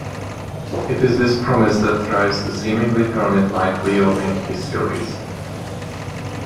It is this promise that drives the seemingly hermit-like Leo in this series.